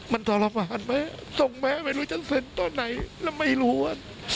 มันตรวจผ่านแม่ส่งแม่ไม่รู้ฉันเสร็จตอนไหนแล้วไม่รู้อ่ะ